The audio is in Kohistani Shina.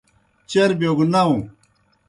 چربِیو گہ ناؤں۔